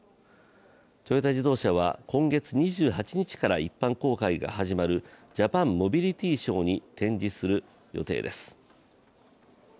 トヨタ自動車は今月２８日から一般公開が始まるジャパンモビリティショーに展示する予定です。